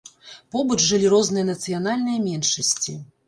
Побач жылі розныя нацыянальныя меншасці.